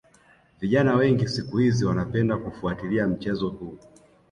Vijana wengi siku hizi wanapenda kufuatilia mchezo huu